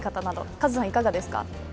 カズさん、いかがですか。